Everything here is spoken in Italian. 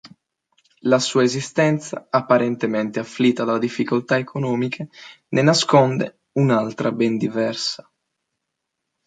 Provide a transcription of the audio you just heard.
La sua esistenza apparentemente afflitta da difficoltà economiche ne nasconde un'altra ben diversa.